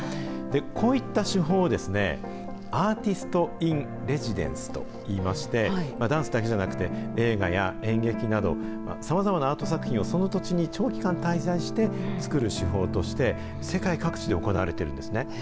こういった手法を、アーティスト・イン・レジデンスといいまして、ダンスだけじゃなくて、映画や演劇など、さまざまなアート作品をその土地に長期間滞在して作る手法として、世界各地で行われているんですね。